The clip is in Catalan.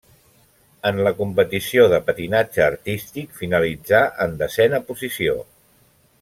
En la competició de patinatge artístic finalitzà en desena posició.